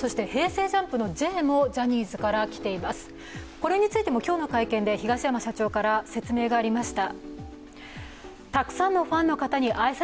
これについても今日の会見で東山社長から説明がありました。